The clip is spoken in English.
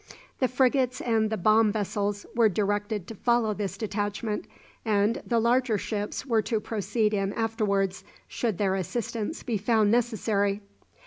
The frigates and the bomb vessels were directed to follow this detachment, and the larger ships were to proceed in afterwards, should their assistance be found necessary.